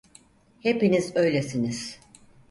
Hepiniz öylesiniz.